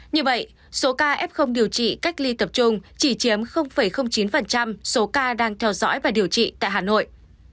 như vậy số ca f điều trị cách ly tập trung chỉ chiếm chín số ca đang theo dõi và điều trị tại hà nội